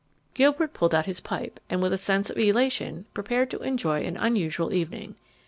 Gilbert pulled out his pipe, and with a sense of elation prepared to enjoy an unusual evening.